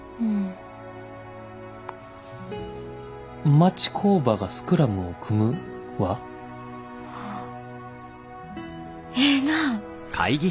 「町工場がスクラムを組む」は？ああええな。